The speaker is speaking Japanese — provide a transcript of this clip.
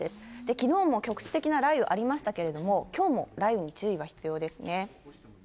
きのうも局地的な雷雨ありましたけども、きょうも雷雨に注意が必要ですね。